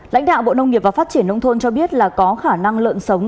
lãnh đạo bộ nông nghiệp và phát triển nông thôn cho biết là có khả năng lợn sống